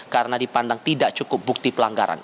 karena dipandang tidak cukup bukti pelanggaran